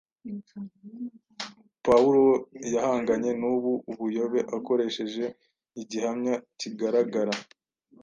pawulo yahanganye n’ubu buyobe akoresheje igihamya kigaragara